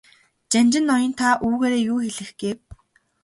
Жанжин ноён та үүгээрээ юу хэлэх гээв?